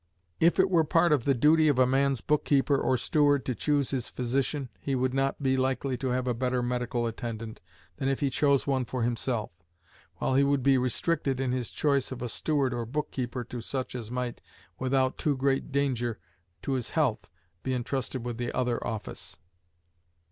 If it were part of the duty of a man's book keeper or steward to choose his physician, he would not be likely to have a better medical attendant than if he chose one for himself, while he would be restricted in his choice of a steward or book keeper to such as might, without too great danger to his health, be intrusted with the other office.